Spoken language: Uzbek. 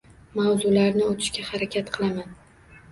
Mavzularni o‘tishga harakat qilaman.